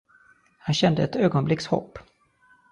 Han kände ett ögonblicks hopp.